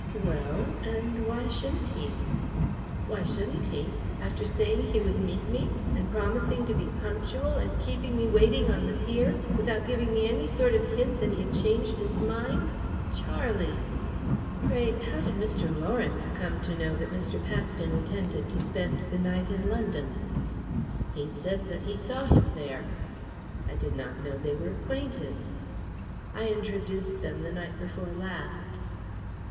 "Well, and why shouldn't he?" "Why shouldn't he? After saying he would meet me! And promising to be punctual! And keeping me waiting on the pier! Without giving me any sort of hint that he had changed his mind! Charlie!" "Pray, how did Mr. Lawrence come to know that Mr. Paxton intended to spend the night in London?" "He says that he saw him there." "I did not know they were acquainted!" "I introduced them the night before last."